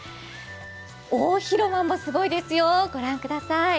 大広間もすごいですよ、ご覧ください。